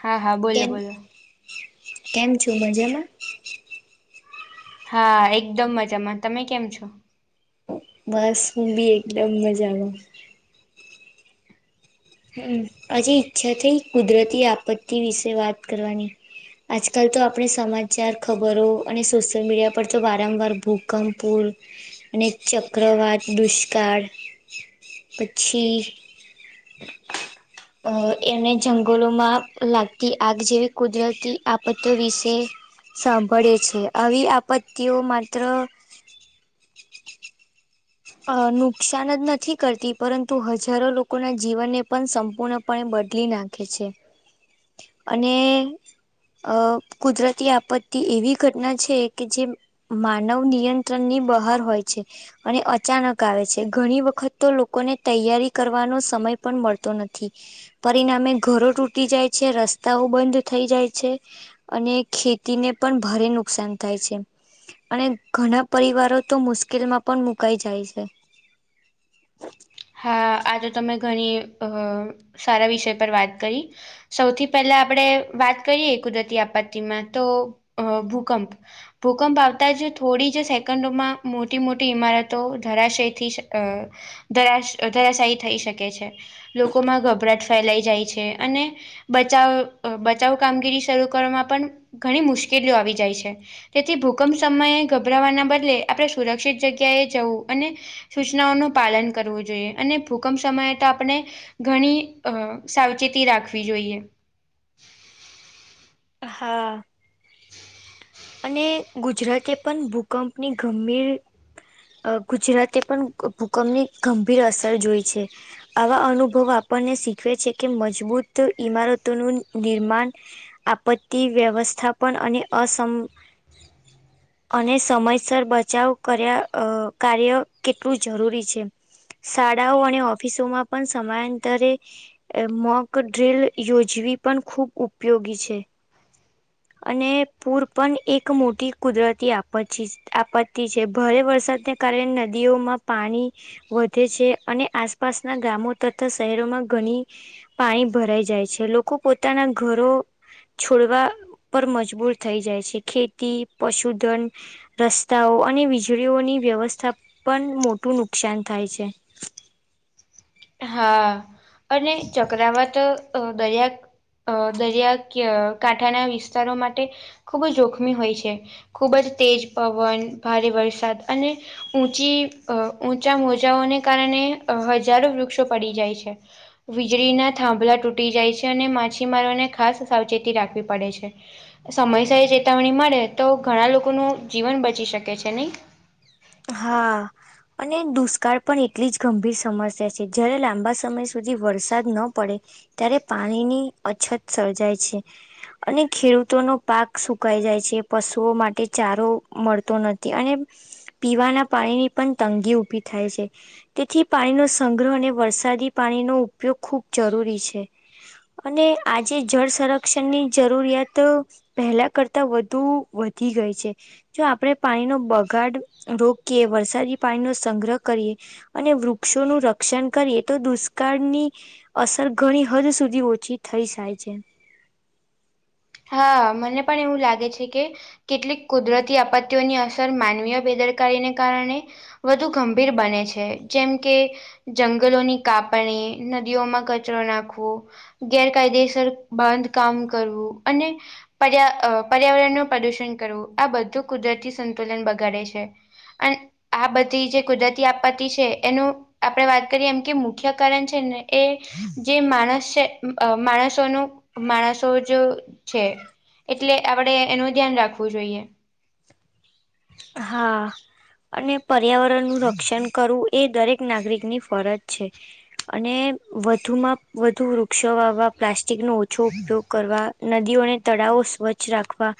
હા હા બોલો કેમ- બોલો કેમ છું મજામાં. હા, એકદમ મજામાં. તમે કેમ છો. બસ હું બી એકદમ મજા માં. હમ, પછી છતી કુદરતી આપત્તિ વિશે વાત કરવાની. આજકાલ તો આપણે સમાચાર, ખબરો અને સોશિયલ મીડિયા પર તો વારંવાર ભૂકંપો અને ચક્રવાત દુષ્કાળ પછી [inaudible] અહ એને જંગલોમાં લાગતી આગ જેવી કુદરતી આપત્તિઓ વિશે સાંભળીયે છીયે આવી આપત્તિઓ માત્ર અહ નુકસાન જ નથી કરતી પરંતુ હજારો લોકોના જીવનને પણ સંપૂર્ણ પણે બદલી નાખે છે અને અહ કુદરતી આપત્તિ એવી ઘટના છે કે જેમ માનવ નિયંત્રણ ની બહાર હોય છે અને અચાનક આવે છે. ઘણી વખત તો લોકોને તૈયારી કરવાનો સમય પણ મળતો નથી. પરિણામે ઘરો તૂટી જાય છે, રસ્તાઓ બંધ થઇ જાય છે. અને ખેતીને પણ ભારે નુકસાન થાય છે. અને ઘણા પરિવારો તો મુશ્કેલ માં પણ મુકાઈ જાય છે. હા આ તો તમે ઘણી અહ સારા વિષય પર વાત કરી. સૌથી પહેલા આપણે વાત કરીએ કુદરતી આપત્તિમાં તો અહ ભૂકંપ ભૂકંપ આવતાં જ થોડી જ સેકન્ડોમાં મોટી મોટી ઈમારતો ધરાશય થઈ અહ ધરા ધરાશાયી થઈ શકે છે. લોકોમાં ગભરાટ ફેલાઈ જાય છે અને બચાવ અહ બચાવ કામગીરી શરૂ કરવામાં પણ ઘણી મુશ્કેલીઓ આવી જાય છે. તેથી ભૂકંપ સમયે ગભરાવાના બદલે આપણે સુરક્ષિત જગ્યાએ જવું અને સૂચનાઓનું પાલન કરવું જોઈએ અને ભૂકંપ સમયે તો આપણે ઘણી અહ સાવચેતી રાખવી જોઈએ. હા. [inaudible] અને ગુજરાતે પણ ભૂકંપની ગંભીર અહ ગુજરાતે પણ ભૂકંપની ગંભીર અસર જોઈ છે. આવા અનુભવો આપણને શીખવે છે કે મજબૂત ઈમારતોનું નિર્માણ આપત્તિ વ્યવસ્થાપન અને અસમ અને સમય સર બચાવ કર્યા અહ કાર્ય કેટલું જરૂરી છે. શાળાઓ અને ઓફિસોમાં પણ સમયાંતરે એ મોક ડ્રીલ યોજવી પણ ખૂબ ઉપયોગી છે. અને પૂર પણ એક મોટી કુદરતી આપ આપત્તિ છે ભારે વરસાદને કારણે નદીઓમાં પાણી વધે છે અને આસપાસના ગામો તથા શહેરોમાં ઘણી પાણી ભરાઈ જાય છે લોકો પોતાના ઘરો છોડવા પર મજબૂર થઈ જાય છે ખેતી પશુધન રસ્તાઓ અને વીજળીઓની વ્યવસ્થા પણ મોટું નુકસાન થાય છે. હા અને ચક્રવાત દરિયાક અ દરિયા કાંઠાના વિસ્તારો માટે ખૂબ જ જોખમી હોય છે. ખુબ જ તેજ પવન ભારે વરસાદ અને ઊંચી ઊંચા મોજાઓને કારણે હજારો વૃક્ષો પડી જાય છે. વીજળીના થાંભલા તૂટી જાય છે અને માછીમારોને ખાસ સાવચેતી રાખવી પડે છે. સમયસય ચેતાવણી મળે તો ઘણા લોકોનું જીવન બચી શકે છે નહીં. હા અને દુષ્કાળ પણ એટલી જ ગંભીર સમસ્યા છે જયારે લાંબા સમય સુધી વરસાદ ન પડે ત્યારે પાણીની અછત સર્જાય છે. અને ખેડૂતોનો પાક સુકાઈ જાય છે પશુઓ માટે ચારો મળતો નથી અને પીવાના પાણીની પણ તંગી ઊભી થાય છે. તેથી પાણીનો સંગ્રહ અને વરસાદી પાણીનો ઉપયોગ ખૂબ જરૂરી છે. અને આજે જળ સંરક્ષણની જરૂરિયાત પહેલા કરતા વધુ વધી ગઈ છે જો આપણે પાણીનો બગાડ રોકીએ વરસાદી પાણી નો સંગ્રહ કરીએ. અને વૃક્ષોનું રક્ષણ કરીએ તો દુષ્કાળની અસર ઘણી હદ સુધી ઓછી થઈ જાય છે. હા મને પણ એવું લાગે છે કે કેટલીક કુદરતી આપત્તિઓની અસર માનવીય બેદરકારી ને કારણે વધુ ગંભીર બને છે જેમ કે જંગલોની કાપણી નદીઓમાં કચરો નાખવો ગેરકાયદેસર બાંધ કામ કરવું અને પર્યા પર્યાવરણનું પ્રદુષણ કરવું આ બધું કુદરતી સંતુલન બગાડે છે. અને આ બધી જે કુદરતી આપત્તિ છે એનું આપણે વાત કરીએ એમ કે મુખ્ય કારણ છે ને એ જે માણસ છે અ માણસોનું માણસો જ છે. એટલે આપડે એનું ધ્યાન રાખવું જોઈએ. હા અને પર્યાવરણનું રક્ષણ કરવું એ દરેક નાગરિક ની ફરજ છે. અને વધુમાં વધુ વૃક્ષો વાવવા, પ્લાસ્ટિકનો ઓછો ઉપયોગ કરવા, નદીઓને તળાવો સ્વચ્છ રાખવા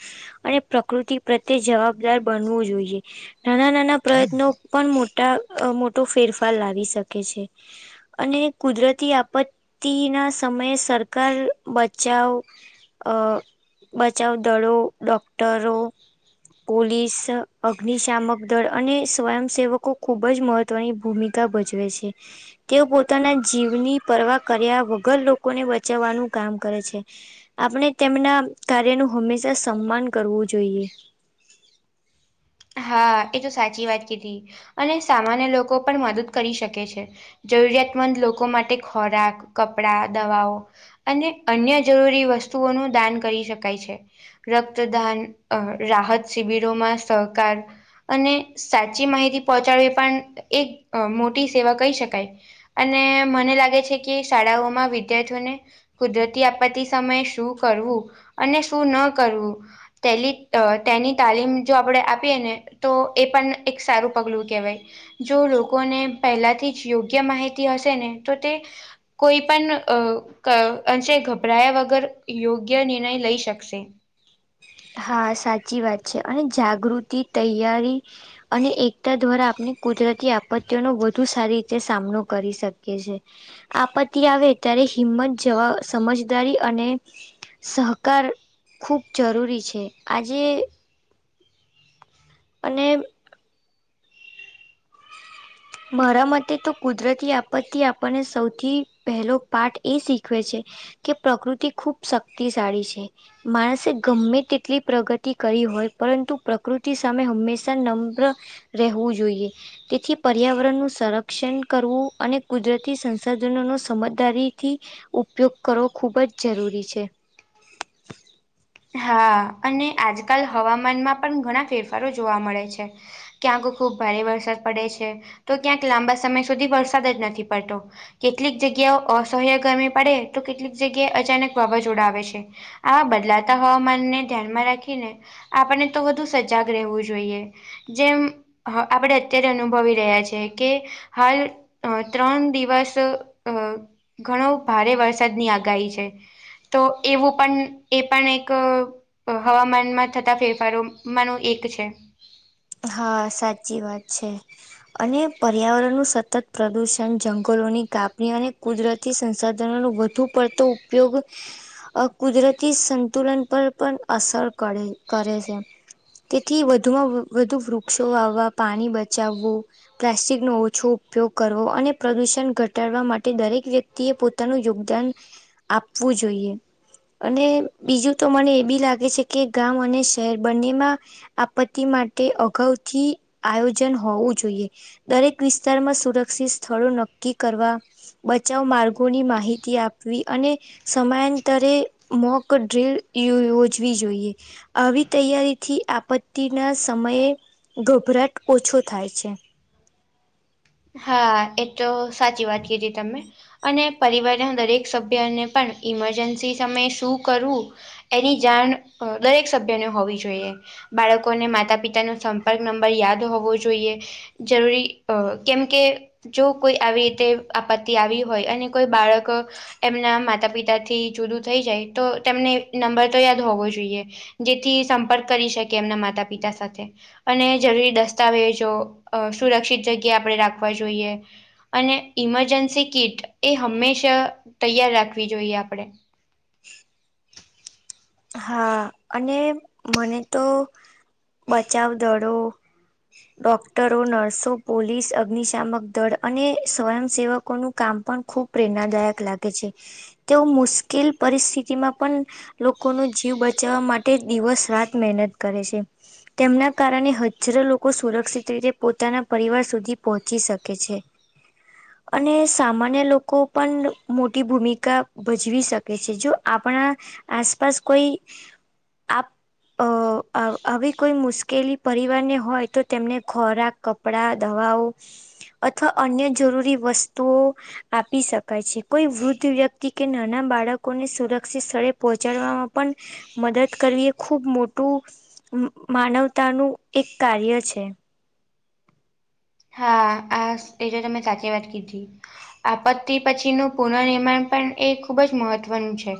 અને પ્રકૃતિ પ્રત્યે જવાબદાર બનવું જોઈએ. નાના નાના પ્રયત્નો પણ મોટા મોટો ફેરફાર લાવી શકે છે. અને કુદરતી આપત્તિ ના સમયે સરકાર બચાવ અ બચાવ દળો ડોક્ટરો પોલીસ અગ્નિશામક દળ અને સ્વયંસેવકો ખૂબ જ મહત્વની ભૂમિકા ભજવે છે. તેઓ પોતાના જીવની પરવા કર્યા વગર, લોકોને બચાવવાનું કામ કરે છે. આપણે તેમના કાર્યનું હંમેશા સન્માન કરવું જોઈએ. એ તો સાચી વાત કીધી. અને સામાન્ય લોકો પણ મદદ કરી શકે છે. જરૂરિયાતમંદ લોકો માટે ખોરાક કપડા દવાઓ અને અન્ય જરૂરી વસ્તુઓનું દાન કરી શકાય છે. રક્તદાન, રાહત શિબિરોમાં સહકાર. અને સાચી માહિતી પહોંચાડવી, એ પણ એક મોટી સેવા કહી શકાય. અને મને લાગે છે કે શાળાઓમાં વિદ્યાર્થીઓને કુદરતી આપત્તી સમયે શું કરવું અને શું ન કરવું તેલી તેની તાલીમ જો આપણેે આપીએ ને તો એ પણ એક સારું પગલું કહેવાય જો લોકોને પહેલાથી જ યોગ્ય માહિતી હશે ને તો તે કોઈ પણ અ ક અંશે ગભરાયા વગર યોગ્ય નિર્ણય લઈ શકશે. હા, સાચી વાત છે અને જાગૃતિ તૈયારી અને એકતા દ્વારા આપણે કુદરતી આપત્તિઓનો વધુ સારી રીતે સામનો કરી શકીએ છીએ. આપત્તિ આવે ત્યારે હિંમત જવા સમજદારી અને સહકાર ખૂબ જરૂરી છે. આજે અને મારા મતે તો કુદરતી આપત્તિ આપણને સૌથી પહેલો પાઠ એ શીખવે છે કે પ્રકૃતિ ખૂબ શક્તિશાળી છે. માણસે ગમે તેટલી પ્રગતિ કરી હોય પરંતુ પ્રકૃતિ હંમેશા નમ્ર રહેવું જોઈએ. તેથી પર્યાવરણનું સંરક્ષણ કરવું અને કુદરતી સંસાધનોનો સમજદારીથી ઉપયોગ કરવો ખૂબ જ જરૂરી છે. હા અને આજકાલ હવામાનમાં પણ ઘણા ફેરફારો જોવા મળે છે. ક્યાંક ખૂબ ભારે વરસાદ પડે છે. તો ક્યાંક લાંબા સમય સુધી વરસાદ જ નથી પડતો. કેટલીક જગ્યાઓ અસહ્ય ગરમી પડે, તો કેટલીક જગ્યાએ અચાનક વાવાઝોડા આવે છે. આ બદલા તા હવામાનને ધ્યાનમાં રાખીને આપનને તો વધુ સજાગ રહેવું જોઈએ. જેમ હ આપડે અત્યારે અનુભવી રહ્યા છે કે હાલ અ ત્રણ દિવસ અ ઘણું ભારે વરસાદની આગાહી છે, તો એવું પણ એ પણ એક એક હવામાનમાં થતા ફેરફારોમાંનું એક છે. હા સાચી વાત છે. અને પર્યાવરણનું સતત પ્રદુષણ, જંગલોની કાપણી અને કુદરત થી સંસાધનોનો વધુ પડતો ઉપયોગ અ કુદરતી સંતુલન પર પણ અસર કર કરે છે, તેથી વધુમાં વધુ વૃક્ષો વાવા પાણી બચાવવું, પ્લાસ્ટિકનો ઓછો ઉપયોગ કરવો અને પ્રદુષણ ઘટાડવા માટે દરેક વ્યક્તિ યતિ એ પોતાનું યોગદાન આપવું જોઈએ. અને બીજું તો મને એ બી લાગે છે કે ગામ અને શહેર બંનેમાં આપત્તિ માટે અગાઉથી આયોજન હોવું જોઈએ. દરેક વિસ્તારમાં સુરક્ષિત સ્થળો નક્કી કરવા બચાવ માર્ગોની માહિતી આપવી અને સમયાંતરે મોક ડ્રીલ યોયોજવી જોઈએ, આવી તૈયારીથી આપત્તિના સમયે ગભરાટ ઓછો થાય છે. હા એ તો સાચી વાત કીધી તમે. અને પરિવારના દરેક સભ્યને પણ ઈમરજન્સી સમયે શું કરવું એની જાણ અ દરેક સભ્યને હોવી જોઈએ. બાળકોને માતા પિતાનો સંપર્ક નંબર યાદ હોવો જોઈએ, જરૂરી અ કેમ કે જો કોઈ આવી રીતે આપત્તિ આવી હોય અને કોઈ બાળક એમના માતા પિતા થી જુદું થઈ જાય તો તેમને નંબર તો યાદ હોવો જોઈએ, જેથી સંપર્ક કરી શકે એમના માતા પિતા સાથે. અને જરૂરી દસ્તાવેજો અ સુરક્ષિત જગ્યા આપણે રાખવા જોઈએ, અને ઈમરજન્સી કીટ એ હંમેશા તૈયાર રાખવી જોઈએ આપણે. હા અને મને તો બચાવ દડો ડોક્ટરો, નર્સો, પોલીસ, અગ્નિશામક દળ અને સ્વયંસેવકોનું કામ પણ ખુબ પ્રેરણાદાયક લાગે છે, તેઓ મુશ્કેલ પરિસ્થિતિમાં પણ લોક - લોકોનું જીવ બચાવવા માટે દિવસ રાત મહેનત કરે છે. તેમના કારણે હજારો લોકો સુરક્ષિત રીતે પોતાના પરિવાર સુધી પહોંચી શકે છે. અને સામાન્ય લોકો પણ મોટી ભૂમિકા ભજવી શકે છે, જો આપણા આસપાસ કોઈ આપ અ આવી કોઈ મુશ્કેલી પરિવારને હોય તો તેમને ખોરાક કપડા, દવાઓ અથવા અન્ય જરૂરી વસ્તુઓ આપી શકાય છે, કોઈ વૃદ્ધ વ્યક્તિ કે નાના બાળકો ને સુરક્ષિત સ્થળે પહો ચડવામાં પણ મદદ કરવી એ ખુબ મોટું માનવતાનું એક કાર્ય છે. હા આ શ એતો તમે સાચી વાત કીધી. આપત્તિ પછીનું પુનનીર્માણ પણ એ ખૂબ જ મહત્વનું છે.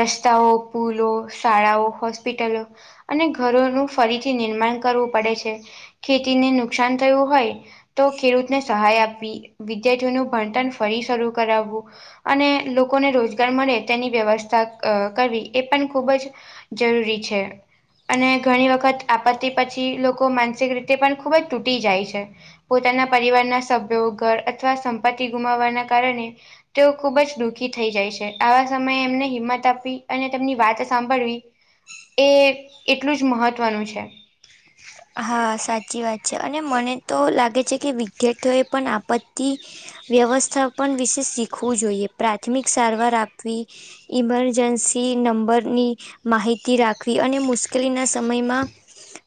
રસ્તાઓ, પુલો, શાળાઓ, હોસ્પિટલો, અને ઘરોનું ફરીથી નિર્માણ કરવું પડે છે, ખેતીને નુકસાન થયું હોય, તો ખેડૂતને સહાય આપવી, વિદ્યાર્થીઓનું ભણતર ફરી શરૂ કરાવવું, અને લોકોને રોજગાર મળે તેની વ્યવસ્થા અ કરવી એ પણ ખૂબ જ જરૂરી છે. અને ઘણી વખત આપત્તિ પછી લોકો માનસિક રીતે પણ ખૂબ જ તૂટી જાય છે, પોતાના પરિવારના સભ્યો ઘર અથવા સંપત્તિ ગુમાવવાના કારણે તેઓ ખુબ જ દુઃખી થઈ જાય છે આવા સમયે એમને હિંમત આપવી અને તેમની વાત સાંભળવી એ એટલું જ મહત્ત્વનું છે. હા સાચી વાત છે અને મને તો લાગે છે કે વિદ્યાર્થીઓએ પણ આપત્તિ વ્યવસ્થાપન વિશે શીખવું જોઈએ પ્રાથમિક સારવાર આપવી ઇમરજન્સી નંબરની માહિતી રાખવી અને મુશ્કેલીના સમયમાં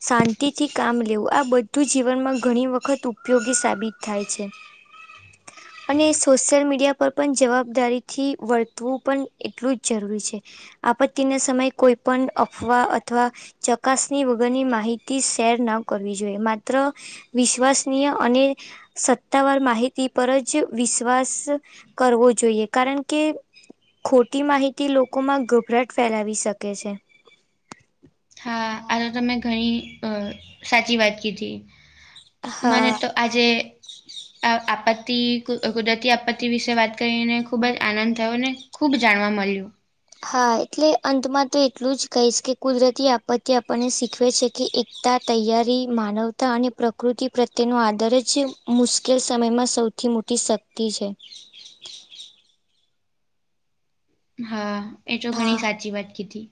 શાં તિથી કામ લેવું આ બધું જીવનમાં ઘણી વખત ઉપયોગી સાબિત થાય છે. [inaudible] અને સોશિયલ મીડિયા પર પન જવાબદારીથી વર્તવું પન એટલું જ જરૂરી છે. આપત્તિના સમયે કોઈ પન અફવા અથવા ચકાસની વગરની માહિ તી શેર ન કરવી જોઈએ માત્ર વિશ્વસનીય અને સત્તાવાર માહિતી પર જ વિશ્વાસ કરવો જોઈએ કારણ કે ખોટી માહિતી લોકોમાં ગભરાટ ફેલાવી શકે છે. હા આ તો તમે ઘણી અ સાચી વાત કીધી મને હા તો આજે આ આપત્તિ કુદરતી આપત્તિ વિશે વાત કરીને ખુબ જ આનંદ થયો ને ખુબ જાણવા મલ્ય. હા એટલે અંતમાં તો એટલું જ કહીશ કે કુદરતી આપત્તિ આપણને શીખવે છે કે એકતા તૈયારી માનવતા અને પ્રકૃતિ પ્રત્યેનો આદર જ છે મુશ્કેલ સમયમાં સૌ થી મોટી શક્તિ છે. હા એ તો ઘણી હા સાચી વાત કીધી.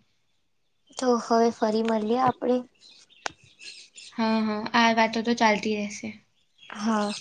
તો હવે ફરી મલીએ આપડે હાં હાં આ વાતો તો ચાલતી રહેશે હા